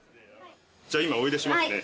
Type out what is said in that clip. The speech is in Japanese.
じゃあ今お入れしますね。